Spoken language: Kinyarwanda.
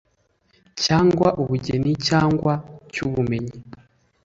cy ubugeni cyangwa cy ubumenyi